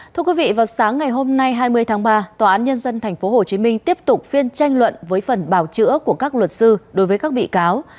thưa quý vị vào sáng ngày hôm nay hai mươi tháng ba tòa án nhân dân tp hcm tiếp tục phiên tranh luận với phần bào chữa của các luật sư đối với các bị cáo